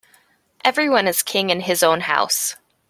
Everyone is king in his own house.